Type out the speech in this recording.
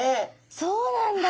そうなんだ。